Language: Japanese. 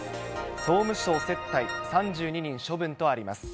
総務省接待、３２人処分とあります。